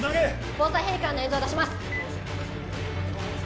防災ヘリからの映像出します！